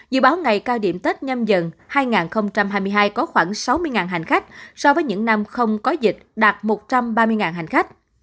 dự báo ngày cao điểm tết nhâm dần hai nghìn hai mươi hai có khoảng sáu mươi hành khách so với những năm không có dịch đạt một trăm ba mươi hành khách